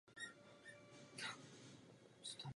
Všechna vyznamenání byla udělena během druhé světové války.